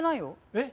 えっ？